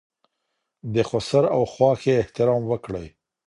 د خسر او خواښې احترام وکړئ.